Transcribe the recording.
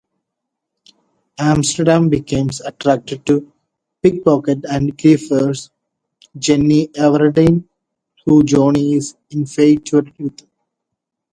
Amsterdam becomes attracted to pickpocket and grifter Jenny Everdeane, who Johnny is infatuated with.